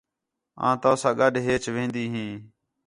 آں تَؤ ساں گݙ ہیچ وھندی ہیں